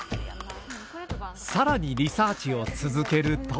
さらにリサーチを続けると。